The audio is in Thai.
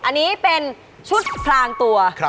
อันนี้เป็นชุดพลางตัว